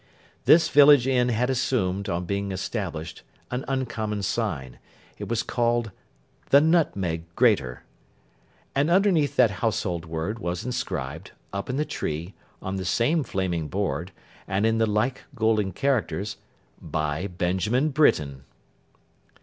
This village Inn had assumed, on being established, an uncommon sign. It was called The Nutmeg Grater. And underneath that household word, was inscribed, up in the tree, on the same flaming board, and in the like golden characters, By Benjamin Britain.